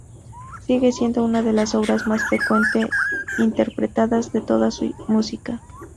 Sigue siendo una de las obras más frecuentemente interpretadas de toda su música.